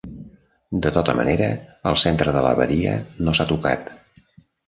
De tota manera, el centre de la badia no s'ha tocat.